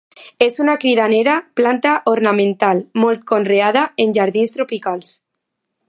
És una cridanera planta ornamental, molt conreada en jardins tropicals.